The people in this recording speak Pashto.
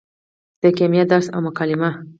د کیمیا درس او مکالمه